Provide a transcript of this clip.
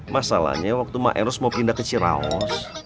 masalahnya waktu ma'eros mau pindah ke ciraos